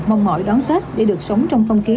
mong mỏi đón tết để được sống trong phong ký